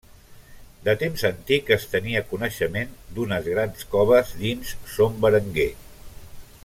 De temps antic es tenia coneixement d'unes grans coves dins Son Berenguer.